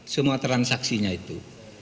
semua transaksinya itu